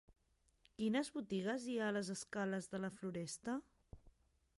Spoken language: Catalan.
Quines botigues hi ha a les escales de la Floresta?